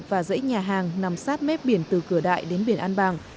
và dãy nhà hàng nằm sát mép biển từ cửa đại đến biển an bàng